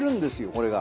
これが。